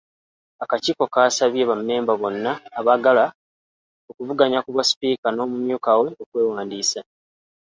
Akakiiko kaasabye bammemba bonna abaagala okuvuganya ku bwa sipiika n’omumyuka we okwewandiisa.